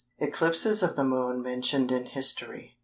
ECLIPSES OF THE MOON MENTIONED IN HISTORY.